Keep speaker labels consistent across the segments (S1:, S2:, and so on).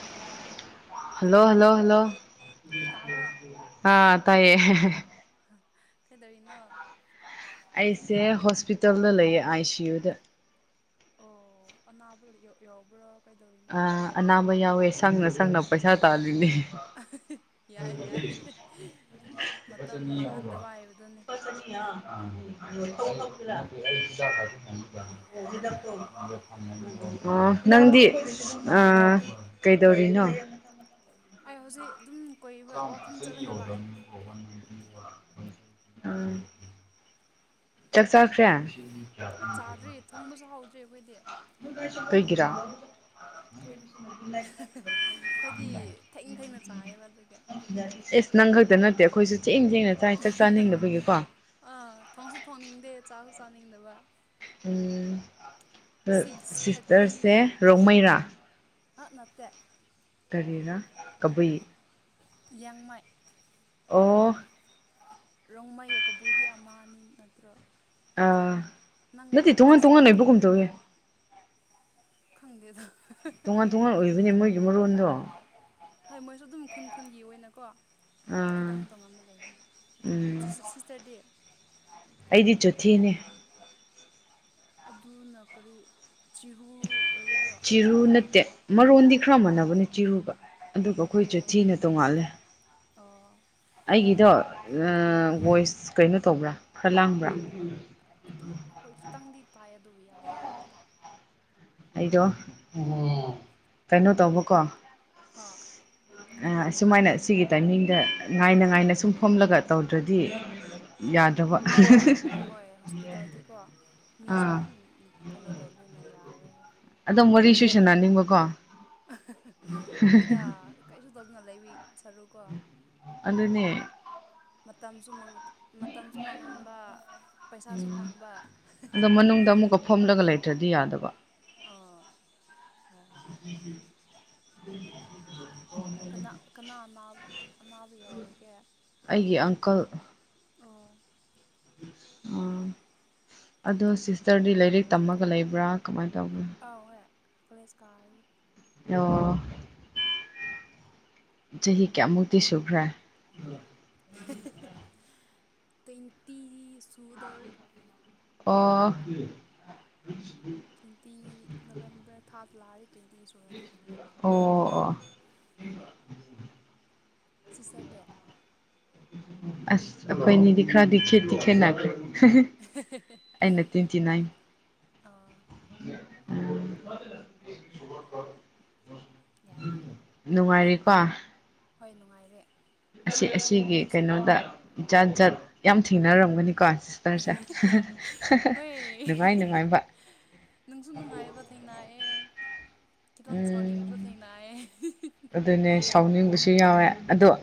S1: [inaudible] hello hello hello
S2: ꯇꯥꯕ꯭ꯔꯣ
S1: ꯑꯥ ꯇꯥꯏꯌꯦ ꯍꯦ ꯍꯦ
S2: ꯀꯩꯗꯧꯏꯔꯅꯣ
S1: ꯑꯩꯁꯦ ꯍꯣꯁꯄꯤꯇꯥꯜꯗ ꯂꯩꯌꯦ ꯑꯥꯏ ꯁꯤ ꯌꯨꯗ
S2: ꯑꯣ ꯑꯅꯥꯕ ꯌ ꯌꯥꯎꯕ꯭ꯔꯣ ꯀꯩꯗꯧꯔꯤꯅꯣ
S1: ꯑꯥ ꯑꯅꯥꯕ ꯌꯥꯎꯋꯦ ꯁꯪꯅ ꯁꯪꯅ ꯄꯩꯁꯥ ꯇꯥꯜꯂꯤꯅꯦ
S2: ꯑꯍ ꯍ ꯍ
S1: [unintelligible] [unintelligible]
S2: ꯃꯇꯝ ꯃꯥꯡꯍꯟꯗꯕ ꯍꯥꯏꯕꯗꯨꯅꯦ
S1: ꯑꯣ ꯅꯪꯗꯤ ꯑꯥ ꯀꯩꯗꯧꯔꯤꯅꯣ
S2: ꯑꯩ ꯍꯧꯖꯤꯛ ꯑꯗꯨꯝ
S1: [unintelligible]
S2: ꯀꯣꯏꯕ ꯋꯥꯛꯀꯤꯡ ꯆꯠꯂꯒ ꯂꯥꯛꯑꯦ
S1: ꯑ ꯆ ꯆꯥꯛ ꯆꯥꯈ꯭ꯔꯦ
S2: ꯆꯥꯛ ꯆꯥꯗ꯭ꯤꯔ ꯊꯣꯡꯕꯁꯨ ꯍꯧꯥꯎꯗ꯭ꯤꯔ ꯑꯩꯈꯣꯢ
S1: ꯀꯩꯒꯤꯔꯥ
S2: ꯍ ꯍ ꯑꯩꯈꯣꯏꯗꯤ ꯊꯦꯡꯅ ꯊꯦꯡꯅ ꯆꯥꯏꯌꯦꯕ ꯑꯗꯨꯒꯤ
S1: ꯑꯦꯁ ꯅꯪ ꯈꯛꯇ ꯅꯠꯇꯦ ꯑꯩꯈꯣꯏꯁꯨ ꯊꯦꯡ ꯊꯦꯡꯅ ꯆꯥ ꯆꯥꯛ ꯆꯥꯅꯤꯡꯗꯕꯒꯤꯀꯣ
S2: ꯆꯅꯤꯡꯗꯕ
S1: ꯎꯝ ꯑꯗꯣ
S2: ꯁꯤꯛꯁ ꯊꯥꯔꯇꯤ
S1: ꯁꯤꯁꯇꯔꯁꯦ ꯔꯣꯡꯃꯩꯔꯥ
S2: ꯑ ꯅꯠꯇꯦ
S1: ꯀꯔꯤꯔ ꯀꯕꯨꯏ
S2: ꯂꯩꯌꯥꯡꯃꯩ
S1: ꯑꯣ
S2: ꯔꯣꯡꯃꯩꯒ ꯀꯕꯨꯏꯗꯤ ꯑꯝꯍꯥꯅꯤ ꯅꯠꯇ꯭ꯔꯣ
S1: ꯑꯥ
S2: ꯅꯪ
S1: ꯅꯠꯇꯦ ꯇꯣꯉꯥꯟ ꯇꯣꯉꯥꯟ
S2: ꯁꯤꯁꯇꯔꯅ
S1: ꯂꯩꯕꯒꯨꯝ ꯇꯧꯋꯦ
S2: ꯈꯪꯗꯦꯗ
S1: ꯇꯣꯉꯥꯟ ꯇꯣꯉꯥꯟ ꯑꯣꯏꯕꯅꯦ ꯃꯣꯏꯒꯤ ꯃꯔꯣꯟꯗꯣ
S2: ꯍꯣꯏ ꯃꯣꯏꯁꯨ ꯑꯗꯨꯝ ꯈꯨꯟ ꯈꯨꯟꯒꯤ ꯑꯣꯏꯅꯀꯣ
S1: ꯑꯥ
S2: ꯈꯤꯇꯪ ꯇꯣꯉꯥꯟꯕ ꯂꯩꯌꯦ
S1: ꯎꯝ
S2: ꯁꯤꯁ ꯁꯤꯁꯇꯔꯗꯤ
S1: ꯑꯩꯗꯤ ꯆꯨꯊꯤꯅꯦ
S2: ꯑꯗꯨꯅ ꯀꯔꯤ ꯆꯤꯍꯨ ꯑꯣꯏꯒꯗ꯭ꯔꯣ
S1: ꯆꯤꯔꯨ ꯅꯠꯇꯦ ꯃꯔꯣꯟꯗꯤ ꯈꯔ ꯃꯥꯟꯅꯕꯅꯦ ꯆꯤꯔꯨꯒ ꯑꯗꯨꯒ
S2: ꯑꯣ
S1: ꯑꯩꯈꯣꯏ ꯆꯨꯊꯤꯅ ꯇꯣꯡꯉꯥꯜꯂꯦ
S2: ꯑꯣ
S1: ꯑꯩꯒꯤꯗꯣ ꯑ
S2: ꯎꯝ
S1: ꯚꯣꯏꯁ ꯀꯩꯅꯣ ꯇꯧꯕ꯭ꯔꯥ ꯈꯔ ꯂꯥꯡꯕ꯭ꯔꯥ
S2: ꯕꯨ ꯌꯥꯗꯤ ꯌꯥꯏꯗ
S1: ꯑꯩꯗꯣ ꯀꯩꯅꯣ ꯇꯧꯕꯀꯣ
S2: ꯑꯥ
S1: ꯑ ꯑꯁꯨꯃꯥꯏꯅ ꯁꯤꯒꯤ ꯇꯥꯏꯃꯤꯡꯗ ꯉꯥꯏꯅ ꯉꯥꯏꯅ ꯁꯨꯝ ꯐꯝꯂꯒ ꯇꯧꯗ꯭ꯔꯗꯤ ꯌꯥꯗ꯭ꯔꯕ
S2: ꯑ ꯍꯣꯏ ꯍꯣꯁꯄꯤꯇꯥꯜꯗꯤꯀꯣ ꯃꯤꯁꯨ
S1: ꯑꯥ
S2: ꯑꯗꯨꯝ ꯀꯩꯅꯣꯗꯣ ꯌꯥꯔꯔꯣꯏ
S1: ꯑꯗꯨꯝ ꯋꯥꯔꯤ ꯁꯨ ꯁꯥꯅꯅꯤꯡꯕꯀꯣ
S2: ꯍꯣꯏ ꯍꯣꯏꯗ [unintelligible]
S1: ꯑꯗꯨꯅꯦ
S2: ꯃꯇꯝꯁꯨ ꯃꯪ ꯃꯇꯝꯁꯨ ꯃꯥꯡꯍꯟꯕ ꯄꯩꯁꯥꯁꯨ ꯐꯪꯕ
S1: ꯗꯗꯤ ꯌꯥꯗꯕ
S2: ꯑꯣ ꯍꯣꯏ ꯍꯣꯏ
S1: [inaudible]
S2: ꯀꯅꯥ ꯀꯅꯥ ꯑꯅꯥ ꯑꯅꯥꯕ ꯌꯥꯎꯔꯒꯦ
S1: ꯑꯩꯒꯤ
S2: ꯑꯣ
S1: ꯑ ꯑꯗꯣ ꯁꯤꯁꯇꯔꯗꯤ ꯂꯥꯏꯔꯤꯛ ꯇꯝꯃꯒ ꯂꯩꯕ꯭ꯔꯥ ꯀꯃꯥꯏꯅ ꯇꯧꯕ
S2: ꯑ ꯋꯦ ꯀꯣꯂꯦꯁ ꯀꯥꯔꯦ
S1: ꯑꯣ ꯆꯍꯤ ꯀꯌꯥꯃꯨꯛꯇꯤ ꯁꯨꯈ꯭ꯔꯦ
S2: ꯇꯣꯏꯟꯇꯤ ꯁꯨꯗꯧꯔꯦ
S1: ꯑꯣ
S2: ꯇꯣꯏꯟꯇꯤ ꯅꯣꯚꯤꯝꯕꯔ ꯊꯥ [unintelligible]
S1: ꯑꯣ ꯑꯣ
S2: ꯁꯤꯁꯇꯔꯗꯤ
S1: ꯑꯁ ꯑꯩꯈꯣꯏꯅꯤꯗꯤ ꯈꯔꯗꯤ ꯈꯦꯠ ꯈꯦꯠꯇꯤ ꯈꯦꯠꯅꯈ꯭ꯔꯦ ꯑꯩꯅ ꯇ꯭ꯋꯦꯟꯇꯤ ꯅꯥꯏꯟ
S2: ꯑꯥ
S1: ꯑꯥ
S2: ꯌꯥꯏꯑꯦ
S1: ꯅꯨꯡꯉꯥꯏꯔꯤꯀꯣ
S2: ꯍꯣꯏ ꯅꯨꯡꯉꯥꯏꯔꯤ
S1: ꯑꯁꯤ ꯑꯁꯤꯒꯤ ꯀꯩꯅꯣꯗ ꯖꯥꯠ ꯖꯥꯠ ꯌꯥꯝ ꯊꯦꯡꯅꯔꯝꯒꯅꯤꯀꯣ ꯁꯤꯁꯇꯔꯁꯦ ꯅꯨꯡꯉꯥꯏ ꯅꯨꯡꯉꯥꯏꯕ
S2: ꯅꯨꯡꯁꯨ ꯅꯨꯡꯉꯥꯏꯕ ꯊꯦꯡꯅꯩꯑꯦ ꯈꯤꯇꯪ ꯁꯥꯎꯅꯤꯡꯕꯁꯨ
S1: ꯎꯝ
S2: ꯊꯦꯡꯅꯥꯏꯌꯦ ꯍ ꯍ
S1: ꯁꯨ ꯌꯥꯎꯋꯦ ꯑꯗꯣ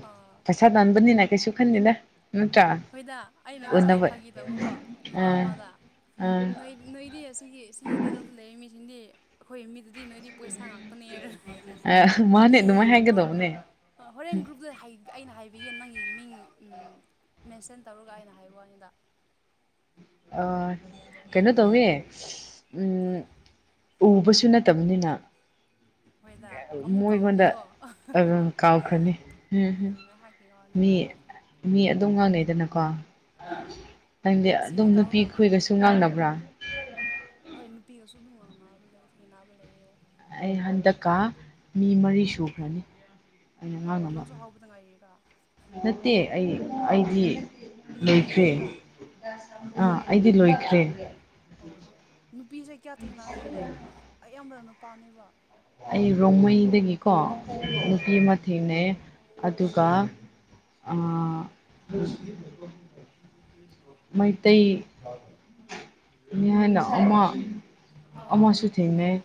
S1: ꯄꯩꯁꯥ ꯇꯥꯟꯕꯅꯤꯅ ꯀꯩꯁꯨ ꯈꯟꯗꯦꯗ ꯅꯠꯇ꯭ꯔꯥ
S2: ꯍꯣꯏꯗ ꯑꯩꯅ ꯉꯁꯥꯏ
S1: ꯎꯅꯕ
S2: ꯐꯥꯒꯤꯇꯧꯕꯀꯣ ꯅꯨꯄꯥ
S1: ꯑꯥ
S2: ꯑꯃꯗ
S1: ꯑ
S2: ꯅꯣꯏ ꯅꯣꯏꯗꯤ ꯑꯁꯤꯒꯤ ꯁꯤꯒꯤ ꯀꯩꯅꯣꯗ ꯂꯩ ꯃꯤꯁꯤꯡꯗꯤ ꯑꯩꯈꯣꯏ ꯃꯤꯗꯨ ꯑꯗꯨꯗꯤ ꯅꯣꯏꯗꯤ ꯄꯣꯢꯁꯥ ꯉꯥꯛꯇꯅꯦ ꯍꯥꯢꯔ ꯑꯍꯥ
S1: ꯃꯥꯅꯦ ꯑꯗꯨꯃꯥꯏꯅ
S2: ꯑꯣ
S1: ꯍꯥꯏꯒꯗꯧꯕꯅꯦ
S2: ꯑ ꯍꯣꯔꯦꯟ ꯒ꯭ꯔꯨꯞꯇ ꯍꯥꯢ ꯑꯩꯅ ꯍꯥꯏꯕꯤꯒꯦ ꯅꯪꯒꯤ ꯃꯤꯡ ꯃꯦꯟꯁꯟ ꯇꯧꯔꯒ ꯑꯩꯅ ꯍꯥꯏꯕ ꯋꯥꯅꯤꯗ
S1: ꯑ ꯀꯩꯅꯣ ꯇꯧꯏ ꯎꯝ ꯎꯕꯁꯨ ꯅꯠꯇꯕꯅꯤꯅ
S2: [inaudible] ꯑꯃꯨꯛ
S1: ꯃꯣꯏꯉꯣꯟꯗ
S2: ꯀꯧꯔꯅꯤꯀꯣ
S1: ꯑꯥ ꯀꯥꯎꯈ꯭ꯔꯅꯤ ꯑꯝ ꯍꯝ
S2: ꯉꯥꯏꯍꯥꯛꯀꯤ
S1: ꯃꯤ
S2: ꯋꯥꯅꯤꯕ
S1: ꯃꯤ ꯑꯗꯨꯝ ꯉꯥꯡꯅꯩꯗꯅ ꯀꯣ
S2: ꯎꯝ
S1: ꯅꯪꯗꯤ
S2: ꯑꯁꯤꯗ
S1: ꯑꯗꯨꯝ ꯅꯨꯄꯤ
S2: ꯇꯧꯔꯒ ꯑꯃꯨꯛ
S1: ꯈꯨꯣꯏꯒꯁꯨ ꯉꯥꯡꯅꯕ꯭ꯔꯥ
S2: ꯍꯣꯏ ꯅꯨꯄꯤꯒꯁꯨ ꯗꯨꯝ ꯉꯥꯡꯅꯕ ꯂꯩ ꯊꯦꯡꯅꯕ ꯂꯩꯌꯦ
S1: ꯑꯩ ꯍꯟꯗꯛꯀ ꯃꯤ ꯃꯔꯤ ꯁꯨꯈ꯭ꯔꯅꯤ ꯑꯩꯅ
S2: ꯑꯣ
S1: ꯉꯥꯡꯅꯕ
S2: ꯅꯪꯁꯨ ꯍꯧꯕꯗ ꯉꯥꯏꯔꯤꯔꯥ
S1: ꯅꯠꯇꯦ ꯑꯩ ꯑꯩꯗꯤ
S2: ꯅꯨꯄꯤꯒ
S1: ꯂꯣꯏꯈ꯭ꯔꯦ
S2: ꯍꯥꯏꯕ꯭ꯔꯥ ꯑꯣ
S1: ꯑꯥ
S2: ꯑꯣ ꯑꯣ ꯑꯣ
S1: ꯑꯩꯗꯤ ꯂꯣꯏꯈ꯭ꯔꯦ
S2: ꯑꯣ ꯅꯨꯄꯤꯁꯦ ꯀꯌꯥ ꯊꯦꯡꯅꯗꯦꯅꯦ ꯑꯌꯥꯝꯕꯅ ꯅꯨꯄꯥꯅꯦꯕ
S1: ꯑꯩ ꯔꯣꯡꯃꯩꯗꯒꯤꯀꯣ
S2: ꯑꯥ
S1: ꯅꯨꯄꯤ ꯑꯃ ꯊꯦꯡꯅꯩꯌꯦ ꯑꯗꯨꯒ ꯑꯥ ꯃꯩꯇꯩꯅꯤ ꯍꯥꯢꯅ ꯑꯃ
S2: ꯑꯣ
S1: ꯑꯃꯁꯨꯨ ꯊꯦꯡꯅꯩ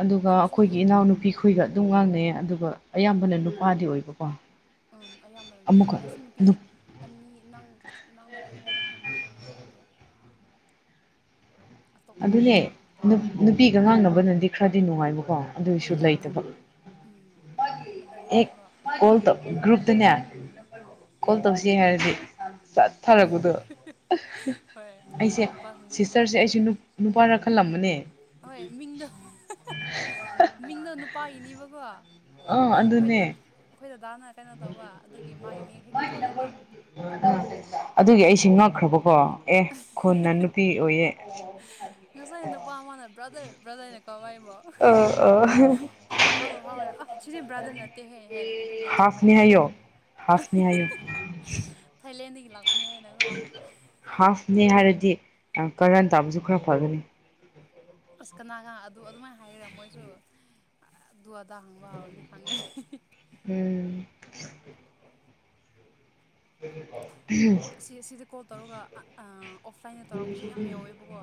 S1: ꯑꯗꯨꯒ
S2: ꯑꯩꯁꯨ
S1: ꯑꯩꯈꯣꯏꯒꯤ ꯏꯅꯥꯎꯅꯨꯄꯤꯈꯣꯏꯒ ꯑꯗꯨꯝ ꯉꯥꯡꯅꯩꯌꯦ ꯑꯗꯨꯒ ꯑꯌꯥꯝꯕꯅ ꯅꯨꯄꯥꯗꯤ ꯑꯣꯏꯕꯀꯣ
S2: ꯎꯝ ꯑꯌꯥꯝꯕꯅ ꯅꯨꯄꯥꯅꯦ
S1: ꯑꯃꯨꯛꯀ
S2: ꯑꯩꯁꯨ ꯅꯨꯄꯤ ꯑꯅꯤ ꯅꯪ ꯅꯪꯅ ꯑꯣꯏꯔꯗꯤ ꯑ ꯍꯨꯝ ꯅꯪ ꯌꯥꯎꯔꯗꯤ ꯑꯇꯣꯞꯄꯗꯤ
S1: ꯑꯗꯨꯅꯦ
S2: ꯅꯨꯄꯥ ꯉꯥꯛꯇ
S1: ꯅꯨ ꯅꯨꯄꯤꯒ ꯉꯥꯡꯅꯕꯅꯗꯤ ꯈꯔꯗꯤ ꯅꯨꯡꯉꯥꯏꯕ ꯀꯣ ꯑꯗꯨꯏꯁꯨ
S2: ꯍꯣꯏꯗ
S1: ꯂꯩꯇꯕ
S2: ꯎꯝ
S1: ꯍꯦꯛ
S2: ꯂꯩꯇꯦꯕ
S1: ꯀꯣꯜ ꯇꯧ ꯒ꯭ꯔꯨꯞ ꯇꯅꯦ
S2: ꯎꯝ
S1: ꯀꯣꯜ ꯇꯧꯁꯦ ꯍꯥꯏꯔꯗꯤ ꯆꯠꯊꯔꯛꯄꯗꯣ ꯑꯍ
S2: ꯍꯣꯏ
S1: ꯑꯩꯁꯦ
S2: ꯅꯨꯄꯥꯁꯤꯡꯁꯦꯀꯣ
S1: ꯁꯤꯁꯇꯔꯁꯦ ꯑꯩꯁꯨ ꯅꯨ ꯅꯨꯄꯥꯔ ꯈꯜꯂꯝꯕꯅꯦ
S2: ꯍꯣꯏ ꯃꯤꯡꯗꯣ ꯑꯍ ꯍ ꯃꯤꯡꯗꯣ ꯅꯨꯄꯥꯒꯤꯅꯦꯕꯀꯣ
S1: ꯑ ꯑꯗꯨꯅꯦ
S2: ꯑꯣꯖꯥꯅ ꯀꯩꯅꯣ ꯇꯧꯕ ꯑꯗꯨꯒꯤ ꯃꯥꯒꯤ ꯃꯤꯡ ꯍꯦꯛꯇ ꯊꯣꯛꯑꯦꯕ
S1: ꯑꯗꯨꯒꯤ ꯑꯩꯁꯦ ꯉꯛꯈ꯭ꯔꯕꯀꯣ ꯑꯦ ꯈꯨꯟꯅ ꯅꯨꯄꯤ ꯑꯣꯏꯌꯦ
S2: ꯉꯁꯥꯏ ꯅꯨꯄꯥ ꯑꯃꯅ ꯕ꯭ꯔꯗꯔ ꯕ꯭ꯔꯗꯔꯅ ꯀꯧꯕ ꯑꯩꯕꯨ
S1: ꯑ ꯑꯣ
S2: ꯑꯩꯅ ꯍꯥꯎ ꯍꯥꯎ ꯍꯥꯢꯔ ꯑꯥ ꯁꯤꯗꯤ ꯕ꯭ꯔꯗꯔ ꯅꯠꯇꯦ ꯍꯦ ꯍꯥꯢꯅ ꯑꯗꯨꯝ ꯃꯥꯁꯨ ꯐꯥꯒꯤ ꯇꯧꯕ
S1: ꯍꯥꯏꯌꯣ [unintelligible]
S2: ꯐꯩꯂꯦꯟꯗꯒꯤ
S1: ꯍꯥꯐꯅꯦ ꯍꯥꯏꯔꯗꯤ ꯑꯥ ꯀꯥꯔꯟ ꯇꯥꯕꯁꯨ ꯈꯔ ꯐꯒꯅꯤ
S2: ꯑꯁ ꯀꯅꯥꯉ ꯑꯗꯨ ꯑꯗꯨꯃꯥꯏꯅ ꯍꯥꯏꯒꯦꯔ ꯃꯣꯏꯁꯨ ꯑꯗꯨ ꯑꯗꯥ ꯍꯪꯕ ꯍꯧꯔꯅꯤ ꯈꯪꯉꯦ ꯑꯍꯦꯍ
S1: [inaudible] [inaudible]
S2: ꯁꯤ ꯑꯁꯤꯗ ꯀꯣꯜ ꯇꯧꯔꯒ ꯑꯥ ꯑ ꯑꯣꯐꯂꯥꯏꯟꯗ ꯇꯧꯔꯛꯄꯁꯨ ꯌꯥꯝ ꯌꯥꯎꯋꯦꯕꯀꯣ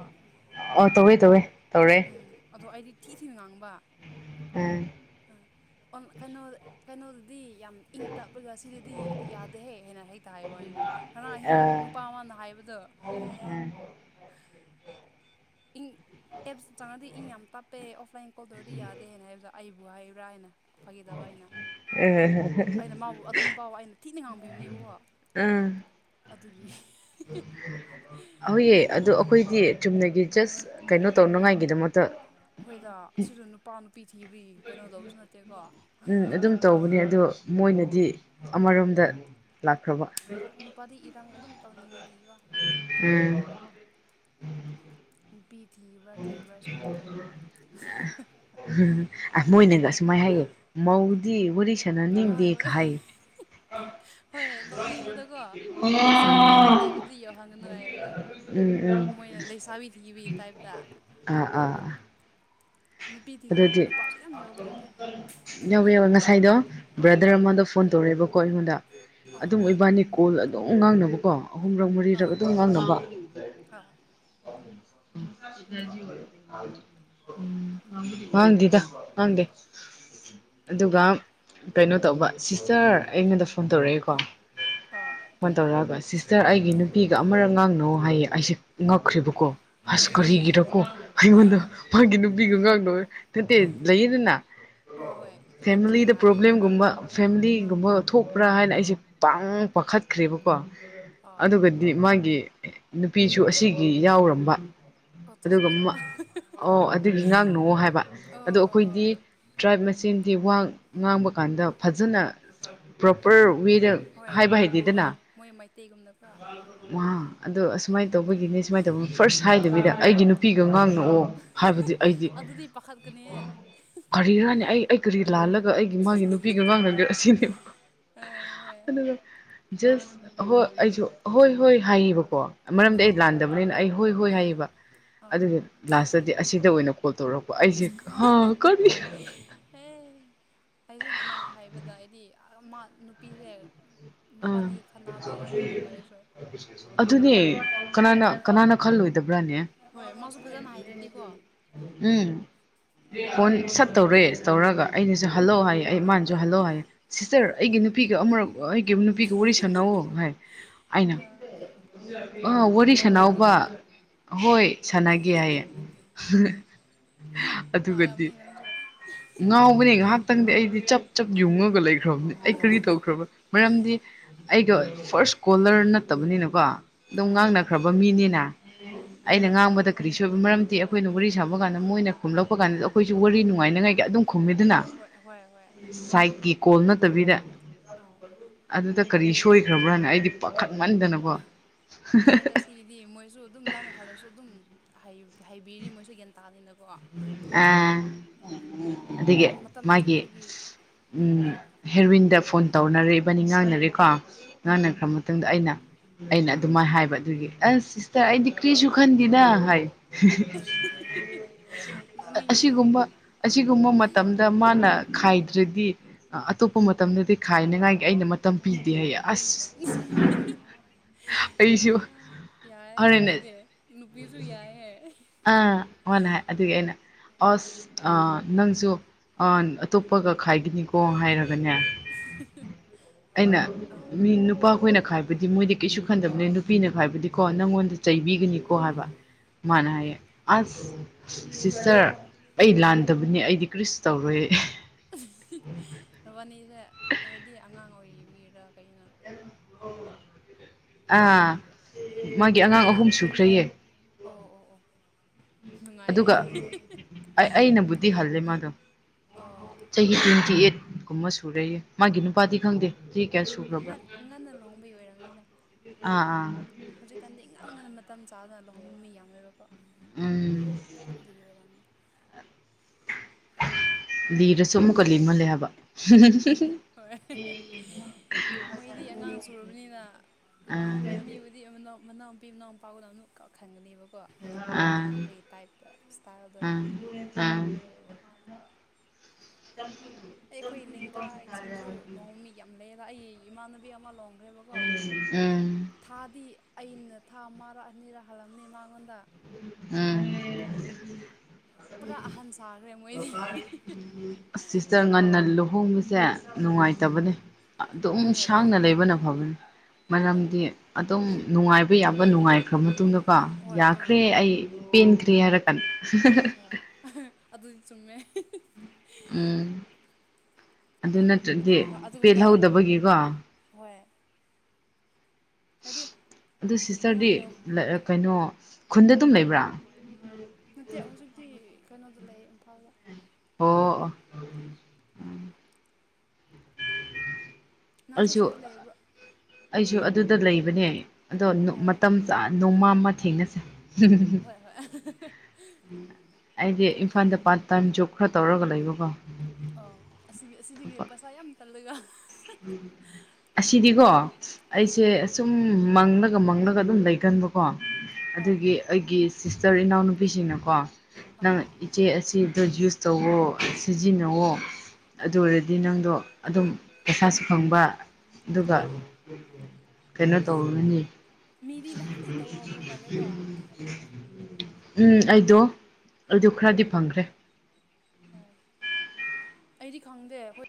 S1: ꯑꯣ ꯇꯧꯋꯦ ꯇꯧꯋꯦ ꯇꯧꯔꯦ
S2: ꯎꯝ ꯑꯗꯣ ꯑꯩꯗꯤ ꯊꯤ ꯊꯤꯅ ꯉꯥꯡꯕ
S1: ꯑ
S2: ꯑꯣꯟ ꯀꯩꯅꯣꯗ ꯀꯩꯅꯣ ꯗꯤ ꯌꯥꯝ ꯏꯪ ꯇꯞꯔꯒ ꯁꯤꯗꯗꯤ ꯌꯥꯗꯦꯍꯦ ꯍꯦꯟꯅ ꯍꯦꯛꯇ ꯍꯥꯏꯕ ꯋꯥꯅꯦꯗ ꯉꯔꯥꯡ ꯑꯍꯤꯡ
S1: ꯑꯥ
S2: ꯅꯨꯄꯥ ꯑꯃ ꯅ ꯍꯥꯢꯕꯗꯨ ꯢꯪ ꯑꯦꯞ ꯆꯪꯉꯥꯗꯤ ꯏꯪ ꯌꯥꯝ ꯇꯞꯄꯦ ꯑꯣꯐꯂꯥꯏꯟ ꯀꯣꯜ ꯊꯧꯔꯗꯤ ꯌꯥꯗꯦꯅ ꯍꯥꯢꯕꯗꯣ ꯑꯩꯕꯨ ꯍꯥꯏꯕ꯭ꯔꯥ ꯍꯥꯏꯅ ꯐꯒꯤꯊꯧꯕ ꯑꯩꯅ ꯑꯩꯅ ꯃꯥꯕꯨ ꯑꯗꯨ ꯅꯨꯄꯥꯕꯨ ꯑꯩꯅ ꯊꯤꯅ ꯉꯥꯡꯕꯤꯕꯅꯦꯕꯀꯣ ꯑꯗꯨꯒꯤ ꯍꯤ
S1: ꯑꯍꯣꯏꯌꯦ ꯑꯗꯣ ꯑꯩꯈꯣꯏꯗꯤ ꯆꯨꯝꯅ ꯒꯤ ꯖꯁ ꯀꯩꯅꯣ
S2: ꯍꯣꯏ
S1: ꯇꯧꯅꯉꯥꯏꯒꯤꯗꯃꯛꯇ
S2: ꯄ꯭ꯔꯤꯊꯤꯕꯤ ꯀꯩꯅꯣ ꯇꯧꯕꯁꯨ ꯅꯠꯇꯦꯀꯣ
S1: ꯎꯝ ꯑꯗꯨꯝ ꯇꯧꯕꯅꯦ ꯑꯗꯣ ꯃꯣꯏꯅꯗꯤ ꯑꯃꯔꯣꯝꯗ ꯂꯥꯛꯈꯔꯕ
S2: ꯇꯧꯅꯤꯡꯕꯒꯤ
S1: ꯎꯝ
S2: ꯅꯨꯄꯤ ꯊꯤꯕ꯭ꯔꯥ ꯊꯤꯗꯕ꯭ꯔꯥꯁꯨ
S1: ꯑ
S2: ꯈꯪꯗꯦ
S1: ꯍꯥꯍꯥꯍꯥ ꯃꯣꯏꯅꯒꯁ ꯁꯨꯃꯥꯏ ꯍꯥꯏꯌꯦ ꯃꯧꯗꯤ ꯋꯥꯔꯤ ꯁꯥꯟꯅ
S2: ꯑꯍꯣꯏ ꯍꯣꯏ
S1: ꯅꯤꯡꯗꯦꯒ ꯍꯥꯏꯌꯦ
S2: ꯍꯣꯏ ꯅꯣꯛꯅꯤꯡꯕꯗꯀꯣ ꯃꯆꯥ ꯑꯅꯤ ꯑꯍꯨꯝ ꯂꯩꯕꯗꯤ ꯌꯧꯍꯟꯒꯅꯨ ꯍꯥꯏꯕꯗꯨ
S1: ꯎꯝ ꯎꯝ
S2: ꯃꯣꯏꯅ ꯂꯩꯁꯥꯕꯤ ꯊꯤꯕꯒꯤ ꯇꯥꯏꯞ
S1: ꯑꯥ ꯑꯥ
S2: ꯅꯨꯄꯤ ꯊꯤꯈ꯭ꯔ
S1: ꯑꯗꯨꯗꯤ
S2: ꯅꯨꯄꯥꯁꯨ ꯌꯥꯝ ꯌꯥꯎꯕꯗꯨꯗꯤ
S1: ꯌꯥꯎꯔꯦꯌꯣ ꯅ ꯉꯁꯥꯏꯗꯣ ꯕ꯭ꯔꯗꯔ ꯑꯃꯗꯣ ꯐꯣꯟ ꯇꯧꯔꯛꯑꯦꯕꯀꯣ ꯑꯩꯉꯣꯟꯗ
S2: ꯑꯥ
S1: ꯑꯗꯨꯝ ꯑꯣꯏꯕꯥꯅꯤ ꯀꯣꯜ ꯑꯗꯨꯝ ꯉꯥꯡꯅꯕꯀꯣ ꯑꯍꯨꯝꯔꯛ ꯃꯔꯤꯔꯛ
S2: ꯑꯥ
S1: ꯑꯗꯨꯝ ꯉꯥꯡꯅꯕ
S2: ꯑꯥ
S1: ꯎꯝ ꯉꯥꯡꯕꯗꯤ ꯃꯥꯡꯗꯦꯗ ꯉꯥꯡꯗꯦ ꯑꯗꯨꯒ ꯀꯩꯅꯣ ꯇꯧꯕ ꯁꯤꯁꯇꯔ ꯑꯩꯉꯣꯟꯗ ꯐꯣꯟ ꯇꯧꯔꯛꯑꯦꯀꯣ
S2: ꯑꯥ
S1: ꯐꯣꯟ ꯇꯧꯔꯛꯑꯒ ꯁꯤꯁ ꯇꯔ ꯑꯩꯒꯤ ꯅꯨꯄꯤꯒ ꯑꯃꯔꯛ ꯉꯥꯡꯅꯧꯋꯣ ꯍꯥꯏꯌꯦ ꯑꯩꯁꯦ ꯉꯛꯈ꯭ꯔꯤꯕꯀꯣ ꯑꯁ ꯀꯔꯤꯒꯤꯔꯀꯣ ꯑꯩꯉꯣꯟꯗ ꯃꯥꯒꯤ ꯅꯨꯄꯤꯒꯥ
S2: ꯑꯥ
S1: ꯉꯥꯡ ꯂꯣꯢ ꯇꯟꯇꯦ ꯂꯩꯌꯦꯗꯅ
S2: ꯑꯥ ꯍꯣꯏ ꯈꯤꯇꯪ
S1: ꯐꯦꯃꯤꯂꯤꯗ
S2: ꯆꯤꯡꯅꯕꯒꯤ ꯑꯣꯏꯔꯝꯅꯤ
S1: ꯄ꯭ꯔꯣꯕ꯭ꯂꯦꯝꯒꯨꯝꯕ
S2: ꯑꯥ ꯑꯥ
S1: ꯐꯦꯃꯤꯂꯤꯒꯨꯝꯕ ꯊꯣꯛꯄ꯭ꯔꯥ ꯍꯥꯏꯅ ꯑꯩꯁꯦ
S2: ꯑꯥ
S1: ꯄꯥꯡ ꯄꯥꯈꯠꯈ꯭ꯔꯦꯕꯀꯣ ꯑꯗꯨꯒꯗꯤ ꯃꯥꯒꯤ ꯅꯨꯄꯤꯁꯨ ꯁꯨ ꯑꯁꯤꯒꯤ ꯌꯥꯎꯔꯝꯕ
S2: ꯑꯆꯥ ꯆꯥ
S1: ꯑꯗꯨꯒ
S2: ꯆꯥ
S1: ꯃꯥ ꯑꯣ ꯑꯗꯨꯒꯤ ꯉꯥꯡꯅꯧꯋꯣ ꯑꯗꯣ
S2: ꯑꯣ ꯑꯣ
S1: ꯑꯩꯈꯣꯏꯗꯤ ꯇ꯭ꯔꯥꯏꯞ ꯃꯁꯦꯡ ꯗꯤ ꯋꯥ ꯉꯥꯡꯕ ꯀꯥꯟꯗ ꯐꯖꯅ ꯄ꯭ꯔꯣꯄꯔ ꯋꯦꯗ
S2: ꯍꯣꯏ
S1: ꯍꯥꯏꯕ
S2: ꯍꯣꯏ ꯃꯣꯏ
S1: ꯍꯩꯇꯦꯗꯅ
S2: ꯃꯣꯏ ꯃꯩꯇꯩꯒꯨꯝꯅꯀꯣ
S1: ꯋꯥ ꯑꯗꯣ ꯑꯁꯨꯃꯥꯏꯅ
S2: ꯎꯝ
S1: ꯇꯧꯕꯒꯤꯅꯦ ꯁꯨꯃꯥꯏꯅ ꯇꯧꯕ ꯐꯥꯔꯁ ꯍꯥꯏꯗꯕꯤꯗ ꯑꯩꯒꯤ ꯅꯨꯄꯤꯒ
S2: ꯑꯣ
S1: ꯉꯥꯡꯅꯧꯑꯣ ꯍꯥꯏ ꯕꯗꯤ ꯑꯩꯗꯤ
S2: ꯑꯗꯨꯗꯤ ꯄꯥꯈꯠꯀꯅꯤꯍꯦ
S1: ꯀꯔꯤꯔꯅꯦ ꯑꯩ ꯑꯩ ꯀꯔꯤ ꯂꯥꯜꯂ ꯑꯗꯨꯒ ꯑꯩꯒꯤ ꯃꯥꯒꯤ ꯅꯨꯄꯤꯒ ꯉꯥꯡꯅꯒꯦꯔ ꯁꯤꯅꯦꯕꯀꯣ
S2: ꯑꯥ ꯍꯣꯏ
S1: ꯑꯗꯨꯒ ꯖꯁ ꯑꯍꯣꯏ ꯑꯩꯁꯨ ꯑꯍꯣꯏ ꯍꯣꯏ ꯍꯥꯏꯌꯦꯕꯀꯣ ꯃꯔꯝꯗꯤ
S2: ꯑꯣ
S1: ꯑꯩ
S2: ꯑꯣ
S1: ꯂꯥꯟꯗꯕꯅꯤꯅ ꯑꯩ ꯍꯣꯏ ꯍꯣꯏ
S2: ꯑꯥ
S1: ꯍꯥꯏꯌꯦꯕ
S2: ꯑꯥ
S1: ꯑꯗꯨꯒ ꯂꯥꯁꯇꯗꯤ ꯑꯁꯤꯗ ꯑꯣꯏꯅ ꯀꯣꯜ ꯇꯧꯔꯛ ꯑꯩꯁꯦ ꯍꯥ ꯀꯔꯤ
S2: ꯑꯦ ꯑꯩꯁꯨ ꯅꯪ ꯍꯥꯏꯕꯗ ꯑꯩꯗꯤ ꯑ ꯃꯥ ꯅꯨꯄꯤꯁꯦ
S1: ꯑ
S2: ꯃꯕꯥꯅꯤ ꯈꯠꯅꯕꯒꯤꯔ ꯍꯥꯏꯅ ꯈꯟꯕ ꯑꯩꯁꯨ
S1: ꯑꯗꯨꯅꯦ ꯀꯅꯥꯅ ꯀꯅꯥꯅ ꯈꯜꯂꯣꯏꯗꯕ
S2: ꯍꯣꯏ ꯃꯥꯁꯨ ꯐꯖꯅ ꯍꯥꯏꯗ꯭ꯔꯗꯤꯀꯣ
S1: ꯎꯝ ꯐꯣꯟ ꯁꯠꯇꯧꯔꯦ ꯇꯧꯔꯒ ꯑꯩꯅꯁꯨ ꯍꯜꯂꯣ ꯍꯥꯏꯌꯦ ꯑꯦ ꯃꯥꯥꯅꯁꯨ ꯍꯜꯂꯣ ꯍꯥꯏꯌꯦ ꯁꯤꯁꯇꯔ ꯑꯩꯒꯤ ꯅꯨꯄꯤꯒ ꯑꯃꯨꯔꯛ ꯑꯩ ꯒꯤ ꯅꯨꯄꯤꯒ ꯋꯔꯤ ꯁꯥꯟꯅꯧꯋꯣ ꯍꯥꯏ ꯑꯩꯅ
S2: ꯑꯥ
S1: ꯑ ꯋꯥꯔꯤ
S2: ꯅꯪꯁꯨ
S1: ꯁꯅꯥꯎꯕ
S2: ꯉꯥꯡꯔꯝꯕꯅꯦ
S1: ꯍꯣꯏ ꯁꯅꯒꯦ ꯍꯥꯏꯌꯦ
S2: ꯑꯥ
S1: ꯑꯗꯨꯒꯗꯤ
S2: ꯉꯥꯡꯔꯝꯅꯤ ꯅꯪꯁꯨ
S1: ꯉꯥꯎꯕꯅꯦ ꯉꯥꯏꯍꯥꯛꯇꯪꯗꯤ ꯑꯩꯗꯤ ꯆꯞ ꯆꯞ ꯌꯨꯡꯉꯒ ꯂꯩꯈ꯭ꯔꯕꯅꯦ ꯑꯩ ꯀꯔꯤ ꯇꯧꯈ꯭ꯔꯕ ꯃꯔꯝꯗꯤ ꯑꯩꯒ ꯐꯥꯔꯁ ꯀꯣꯂꯔ ꯅꯠꯇꯕꯅꯤꯅꯀꯣ ꯑꯗꯨꯝ
S2: ꯑꯥ ꯍꯣꯏ
S1: ꯉꯥꯡꯅꯈ꯭ꯔꯕ ꯃꯤꯅꯤꯅ
S2: ꯎꯝ ꯎꯝ
S1: ꯑꯩꯅ ꯉꯥꯡꯕꯗ ꯀꯔꯤꯁꯨ ꯃꯔꯝꯗꯤ ꯑꯩꯈꯣꯏꯅ ꯋꯥꯔꯤ ꯁꯥꯕ ꯀꯥꯟꯗ ꯃꯣꯏꯅ ꯈꯨꯝꯂꯛꯄ ꯀꯥꯟꯗ ꯑꯩꯈꯣꯏꯁꯨ ꯋꯥꯔꯤ ꯅꯨꯡꯉꯥꯏꯅꯤꯡꯉꯥꯏꯒꯤ ꯑꯗꯨꯝ ꯈꯨꯝꯃꯤꯗꯅ
S2: ꯍꯣꯏ ꯍꯣꯏ ꯍꯣꯏ ꯍꯣꯏ
S1: ꯁꯥꯏꯠꯀꯤ ꯀꯣꯜ ꯅꯠꯇꯕꯤꯗ
S2: ꯑꯥꯎ
S1: ꯑꯗꯨꯗ ꯀꯔꯤ ꯁꯣꯏꯈ꯭ꯔꯕ꯭ꯔꯥꯅ ꯑꯩꯗꯤ ꯄꯥꯈꯠꯃꯟꯗꯅꯀꯣ
S2: ꯌꯥꯏꯗ ꯁꯤꯗꯤ ꯃꯣꯏꯁꯨ ꯑꯗꯨꯝ ꯂꯥꯟꯅ ꯈꯜꯂꯁꯨ ꯑꯗꯨꯝ ꯍꯥꯢ ꯍꯥꯏꯕꯤꯔꯤ ꯃꯣꯏꯁꯨ ꯒ꯭ꯌꯥꯟ ꯇꯥꯅꯤꯅ
S1: ꯑ ꯑꯗꯨꯒꯤ
S2: ꯃꯇꯝ
S1: ꯃꯥꯒꯤ
S2: ꯆꯨꯞꯄꯒꯤ
S1: ꯎꯝ ꯍꯦꯔꯋꯤꯟꯗ ꯐꯣꯟ ꯇꯧꯅꯔꯦ ꯏꯕꯥꯅꯤ ꯉꯥꯡꯅꯔꯦꯀꯣ
S2: ꯑꯥ
S1: ꯉꯥꯡꯅꯈ꯭ꯔ ꯃꯇꯨꯡꯗ ꯑꯩꯅ ꯑꯩꯅ ꯑꯗꯨꯃꯥꯏꯅ ꯍꯥꯏꯕ ꯑꯗꯨꯒꯤ ꯑꯁ ꯁꯤꯁꯇꯔ ꯑꯩꯗꯤ ꯀ꯭ꯔꯤꯁꯨ ꯈꯟꯗꯦꯅ ꯍꯥꯏ
S2: ꯅꯣꯛꯅꯤꯡꯉꯦꯍꯦ
S1: ꯑꯁꯤꯒꯨꯝꯕ ꯑꯁꯤꯒꯨꯝꯕ ꯃꯇꯝꯗ ꯃꯥꯅ ꯈꯥꯏꯗ꯭ꯔꯗꯤ ꯑꯇꯣꯞꯄ ꯃꯇꯝꯗꯗꯤ ꯈꯥꯏꯅꯤꯉꯥꯏꯒꯤ ꯑꯩꯅ ꯃꯇꯝ ꯄꯤꯗꯦ ꯍꯥꯏꯌꯦ ꯑꯁ ꯑꯩꯁꯨ
S2: ꯑꯥ ꯌꯥꯏꯌꯦ
S1: ꯍꯣꯔꯦꯟꯅꯦ
S2: ꯑꯗꯨꯗꯤ ꯅꯨꯄꯤꯁꯨ ꯌꯥꯏꯌꯦ
S1: ꯑꯥ ꯋꯥꯅ ꯍꯥꯏ ꯑꯗꯨꯒꯤ ꯑꯩꯅ ꯑꯁ ꯑꯥ ꯅꯪꯁꯨ ꯑꯥ ꯑꯇꯣꯞꯄꯒ ꯈꯥꯏꯒꯤꯅꯤꯀꯣ ꯍꯥꯏꯔꯒ ꯒꯅꯦ ꯑꯩꯅ
S2: ꯑꯥ
S1: ꯃꯤ ꯅꯨꯄ ꯈꯣꯏꯅ ꯈꯥꯏꯕꯗꯤ ꯃꯣꯏꯗꯤ ꯀꯩꯁꯨ ꯈꯟꯗꯕꯅꯦ ꯅꯨꯄꯤꯅ ꯈꯥꯏꯕꯗꯤꯀꯣ ꯅꯪꯉꯣꯟꯗ ꯆꯩꯕꯤꯒꯅꯤꯀꯣ ꯍꯥꯏꯕ
S2: ꯑꯥ
S1: ꯃꯥꯅ ꯍꯥꯏꯌꯦ ꯑꯁ ꯁꯤꯁꯇꯔ ꯑꯩ ꯂꯥꯟꯗꯕꯅꯦ ꯑꯩꯗꯤ ꯀ꯭ꯔꯤꯁꯨ ꯇꯧꯔꯣꯏꯌꯦ
S2: ꯎꯝ ꯍꯦ ꯃꯕꯥꯅꯤꯖꯦ ꯍꯥꯏꯗꯤ ꯑꯉꯥꯡ ꯑꯣꯏꯔꯤꯕꯤꯔ ꯀꯩꯅꯣ
S1: ꯑꯥ ꯃꯥꯒꯤ
S2: ꯐꯦꯃꯤꯂꯤ
S1: ꯑꯉꯥꯡ
S2: ꯑꯥ
S1: ꯑꯍꯨꯝ
S2: ꯐꯦꯃꯤꯂꯤ
S1: ꯁꯨꯈ꯭ꯔꯦꯌꯦ
S2: ꯑꯣ ꯑꯣ ꯑꯣ ꯅꯨꯡꯉꯥꯏꯌꯦ
S1: ꯑꯗꯨꯒ ꯑꯩꯅꯕꯨꯗꯤ ꯍꯜꯂꯦ ꯃꯥꯗꯣ
S2: ꯑꯣ
S1: ꯆꯍꯤ ꯇ꯭ꯋꯦꯟꯇꯤ ꯑꯩꯠ ꯀꯨꯝꯕ ꯁꯨꯔꯦꯌꯦ ꯃꯥꯒꯤ ꯅꯨꯄꯥꯗꯤ
S2: ꯑꯣ
S1: ꯈꯪꯗꯦ ꯆꯍꯤ ꯀꯌꯥ ꯁꯨꯈ꯭ꯔꯕ
S2: ꯉꯟ ꯉꯟꯅ ꯂꯨꯍꯣꯡꯕꯒꯤ ꯑꯣꯏꯔꯝꯅꯤꯗ ꯍꯧꯖꯤꯛꯀꯥꯟꯗꯤ ꯏꯉꯥꯟ ꯉꯥꯟꯅ ꯃꯇꯝ ꯆꯥꯗꯕ
S1: ꯎꯝ
S2: ꯑꯗꯨꯒꯤ ꯑꯣꯏꯔꯝꯅꯤ
S1: ꯂꯤꯔꯁꯨ ꯑꯃꯨꯛꯀ ꯂꯤꯃꯜꯂꯦ ꯍꯥꯏꯕ
S2: ꯍꯣꯏ ꯍꯦ ꯍꯦ ꯃꯣꯏꯗꯤ ꯑꯉꯥꯡ ꯁꯨꯔꯕꯅꯤꯅ
S1: ꯑꯥ
S2: ꯂꯨꯍꯣꯡꯗ꯭ꯔꯤꯕ ꯃꯤꯕꯨꯗꯤ ꯑꯃ ꯃꯅꯥꯎꯄꯤ ꯃꯅꯥꯎꯄꯥꯒꯨꯝꯅ ꯑꯗꯨꯝꯈꯛ ꯈꯟꯒꯅꯤꯕ ꯀꯣ
S1: ꯑꯥ
S2: ꯋꯥꯉꯥꯡꯕꯒꯤ ꯇꯥꯏꯞꯇ ꯏꯁꯇꯥꯏꯜꯗꯣ
S1: ꯑꯥ ꯑꯥ [unintelligible]
S2: ꯑꯦ ꯑꯩꯈꯣꯏ ꯂꯤꯡꯒꯥꯁꯤꯡꯁꯨ ꯂꯨꯍꯣꯡ ꯃꯤ ꯌꯥꯝ ꯂꯩꯌꯦꯗ ꯑꯩ ꯏꯃꯥꯟꯅꯕꯤ ꯑꯃ ꯂꯨꯣꯡꯈ꯭ꯔꯦꯕꯀꯣ
S1: ꯎꯝ
S2: ꯊꯥꯗꯤ ꯑꯩꯅ ꯊꯥ ꯑꯃꯔꯛ ꯑꯅꯤꯔꯛ ꯍꯜꯂꯝꯅꯤ ꯃꯉꯣꯟꯗ ꯄꯨꯔꯥ ꯑꯍꯟ ꯁꯥꯈ꯭ꯔꯦ ꯃꯣꯏꯗꯤ
S1: ꯑꯥ ꯁꯤꯁꯇꯔ ꯉꯟꯅ ꯂꯨꯍꯣꯡꯕꯁꯦ
S2: ꯎꯝ
S1: ꯅꯨꯡꯉꯥꯏꯇꯕꯅꯦ ꯑꯗꯨꯝ
S2: ꯍꯣꯏ ꯍꯣꯏ
S1: ꯁꯥꯡꯅ ꯂꯩꯕꯅ ꯐꯕꯅꯤ
S2: ꯍꯣꯏꯗ
S1: ꯃꯔꯝꯗꯤ ꯑꯗꯨꯝ ꯅꯨꯡꯉꯥꯏꯕ ꯌꯥꯕ ꯅꯨꯡꯉꯥꯏꯈ꯭ꯔ ꯃꯇꯨꯡꯗꯀꯣ
S2: ꯍꯣꯏ
S1: ꯌꯥꯈ꯭ꯔꯦ
S2: ꯑꯥ
S1: ꯑꯩ ꯄꯦꯟꯈ꯭ꯔꯦ ꯍꯥꯏꯔꯀꯟ
S2: ꯍꯣꯏ ꯍꯥ ꯑꯗꯨꯗꯤ ꯆꯨꯝꯃꯦ
S1: ꯎꯝ ꯑꯗꯨ ꯅꯠꯇ꯭ꯔꯗꯤ
S2: ꯑꯗꯨꯒꯨꯝꯕ ꯑꯗꯨꯒꯨꯝꯕ
S1: ꯄꯦꯜꯍꯧꯗꯕꯒꯤꯀꯣ
S2: ꯍꯣꯏ ꯍꯥꯏꯗꯤ
S1: ꯑꯗꯨ
S2: ꯑꯉꯥꯡ
S1: ꯁꯤꯁꯇꯔꯗꯤ
S2: ꯌꯥꯎ
S1: ꯀꯩꯅꯣ ꯈꯨꯟꯗ ꯑꯗꯨꯝ ꯂꯩꯕ꯭ꯔꯥ
S2: ꯀꯩꯅꯣꯗꯣ ꯂꯩꯌꯦ ꯏꯝꯐꯥꯜꯗ
S1: ꯍꯣ ꯑꯣ ꯎꯝ
S2: ꯅꯪꯁꯨ
S1: ꯑꯩꯁꯨ
S2: ꯁꯤꯗꯤ ꯂꯩꯔꯕ꯭ꯔꯣ
S1: ꯑꯩꯁꯨ ꯑꯗꯨꯗ ꯂꯩꯕꯅꯦ ꯑꯗꯣ
S2: ꯑꯣ
S1: ꯃꯇꯝ ꯆꯥ ꯅꯣꯡꯃ ꯑꯃ ꯊꯦꯡꯅꯁꯦ
S2: ꯍꯣꯏ ꯍꯣꯏ ꯍꯥ ꯍꯥ
S1: ꯑꯩꯗꯤ ꯏꯝꯐꯥꯜꯗ ꯄꯥꯔꯠ ꯇꯥꯏꯝ ꯖꯣꯕ ꯈꯔ ꯇꯧꯔꯒ ꯂꯩꯕꯀꯣ
S2: ꯑꯣ ꯑꯁꯤꯒꯤ ꯑꯁꯤꯗꯒꯤ
S1: ꯊꯕꯛ
S2: ꯄꯩꯁ ꯌꯥꯝ ꯀꯜꯂꯒ
S1: ꯑꯁꯤꯗꯤꯀꯣ
S2: ꯎꯝ
S1: ꯑꯩꯁꯦ ꯑꯁꯨꯝ ꯃꯪ ꯃꯪꯂ ꯃꯪꯂꯒ ꯑꯗꯨꯝ ꯂꯩꯒꯟꯕꯀꯣ
S2: ꯑꯣ
S1: ꯑꯗꯨꯒꯤ ꯑꯩꯒꯤ ꯁꯤꯁꯇꯔ ꯏꯅꯥꯎꯅꯨꯄꯤꯁꯤꯡꯅꯀꯣ ꯅꯪ
S2: ꯑꯥ
S1: ꯏꯆꯦ ꯑꯁꯤ ꯑꯗꯨ ꯌꯨꯁ ꯇꯧꯋꯣ ꯁꯤꯖꯤꯟꯅꯋꯣ ꯑꯗꯨ ꯑꯣꯏꯔꯗꯤ ꯅꯪꯗꯣ ꯑꯗꯨꯝ ꯄꯩꯁꯁꯨ ꯐꯪꯕ ꯑꯗꯨꯒ
S2: ꯎꯝ
S1: ꯀꯩꯅꯣ ꯇꯧꯔꯅꯤ
S2: ꯃꯤꯗꯤ ꯅꯍꯥꯟꯗꯒꯤ ꯇꯧ ꯍꯧꯈ꯭ꯔ ꯃꯥꯜꯂꯦꯀꯣ ꯑꯣ
S1: [unintelligible] ꯎꯝ ꯑꯩꯗꯣ ꯑꯗꯨ ꯈꯔꯗꯤ ꯐꯪꯈ꯭ꯔꯦ
S2: ꯑꯣ ꯑꯩꯗꯤ ꯈꯪꯗꯦ ꯍꯣꯏ